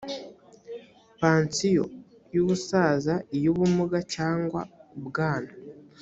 pansiyo y ubusaza iy ubumuga cyangwa ubwana